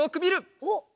おっ！